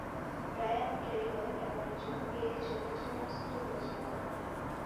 Brian Taylor এবং John Kerry ছবির জন্য স্কোর রচনা করেন।